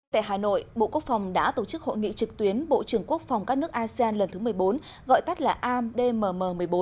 tại hà nội bộ quốc phòng đã tổ chức hội nghị trực tuyến bộ trưởng quốc phòng các nước asean lần thứ một mươi bốn gọi tắt là amdmm một mươi bốn